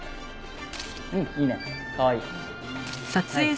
うんいいねかわいい。